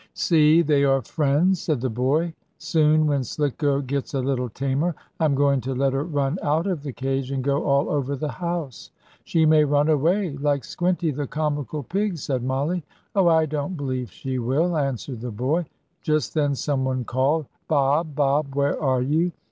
"See, they are friends!" said the boy. "Soon, when Slicko gets a little tamer, I'm going to let her run out of the cage, and go all over the house." "She may run away, like Squinty, the comical pig," said Mollie. "Oh, I don't believe she will," answered the boy. Just then some one called: "Bob! Bob! Where are you?